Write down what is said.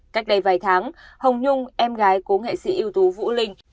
cách đây vài tháng hồng nhung em gái cố nghệ sĩ ưu tú vũ linh